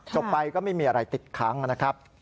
จบไปก็ไม่มีอะไรติดค้างนะครับ